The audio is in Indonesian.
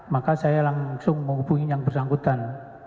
maka saya langsung menghubungi yang bersangkutan